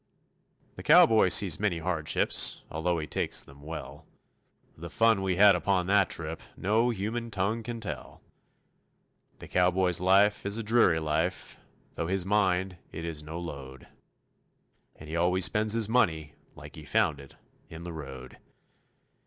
The cowboy sees many hardships although he takes them well; The fun we had upon that trip, no human tongue can tell. The cowboy's life is a dreary life, though his mind it is no load, And he always spends his money like he found it in the road.